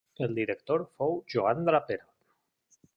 El director fou Joan Draper.